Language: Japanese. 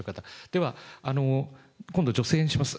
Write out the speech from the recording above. では、今度女性にします。